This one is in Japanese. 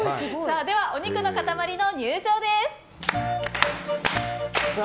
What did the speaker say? ではお肉の塊の入場です。